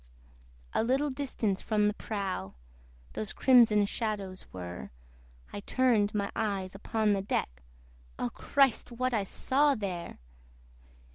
A little distance from the prow Those crimson shadows were: I turned my eyes upon the deck Oh, Christ! what saw I there!